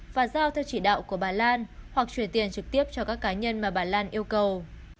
và giao theo chỉ đạo của bà lan hoặc chuyển tiền trực tiếp cho các cá nhân mà bà lan yêu cầu